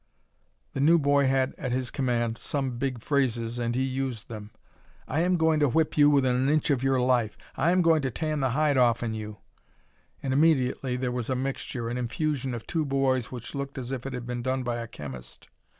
The new boy had at his command some big phrases, and he used them. "I am goin' to whip you within an inch of your life. I am goin' to tan the hide off'n you." And immediately there was a mixture an infusion of two boys which looked as if it had been done by a chemist.